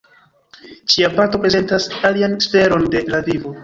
Ĉia parto prezentas alian sferon de la vivo.